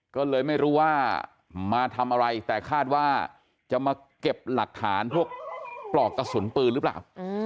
ก็เลยไม่รู้ว่ามาทำอะไรแต่คาดว่าจะมาเก็บหลักฐานพวกปลอกกระสุนปืนหรือเปล่า